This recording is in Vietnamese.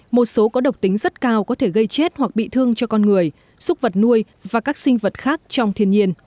một số có độc tính rất cao có thể gây chết hoặc bị thương cho con người xúc vật nuôi và các sinh vật khác trong thiên nhiên